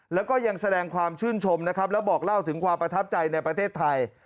แล้วก็ยังแสดงความชื่นชมนะครับแล้วบอกเล่าถึงความประทับใจในประเทศไทย